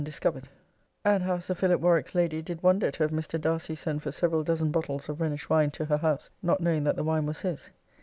B.] And how Sir Phillip Warwick's' lady did wonder to have Mr. Darcy' send for several dozen bottles of Rhenish wine to her house, not knowing that the wine was his.